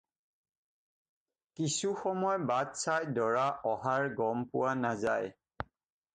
কিছু সময় বাট চাই দৰা অহাৰ গম পোৱা নাযায়।